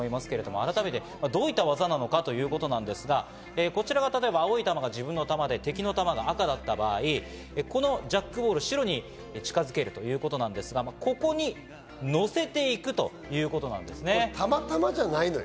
改めてどういった技なのかということですが、こちらが、例えば青い球が自分の球で、敵の球が赤だった場合、このジャックボールを白に近づけるということですが、ここにのせていくということなんですね。